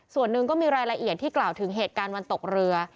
ส่วนหนึ่งก็มีรายละเอียดที่กล่าวถึงเหตุการณ์วันตกเรือ